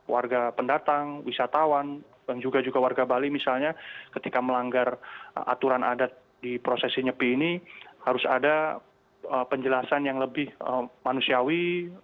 warga pendatang wisatawan dan juga juga warga bali misalnya ketika melanggar aturan adat di prosesi nyepi ini harus ada penjelasan yang lebih manusiawi